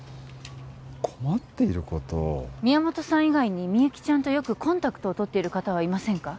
困っていること宮本さん以外にみゆきちゃんとよくコンタクトを取っている方はいませんか？